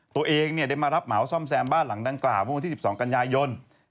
ตัวเองได้มารับเหมาซ่อมแซมบ้านหลังดังกล่าวเมื่อวันที่๑๒กันยายน